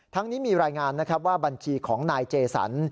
นี้มีรายงานนะครับว่าบัญชีของนายเจสัน